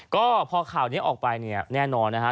ก็พอข่าวนี้ออกไปเนี่ยแน่นอนนะฮะ